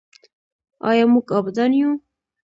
آیا موږ عابدان یو؟